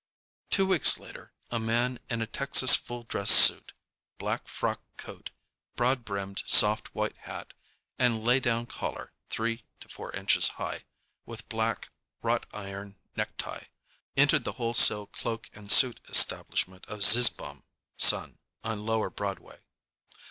Two weeks later a man in a Texas full dress suit—black frock coat, broad brimmed soft white hat, and lay down collar 3 4 inch high, with black, wrought iron necktie—entered the wholesale cloak and suit establishment of Zizzbaum & Son, on lower Broadway.